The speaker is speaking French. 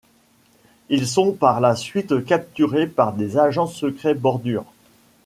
Ils sont par la suite capturés par des agents secrets bordures.